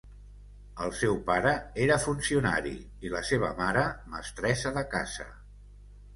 El seu pare era funcionari i la seva mare, mestressa de casa.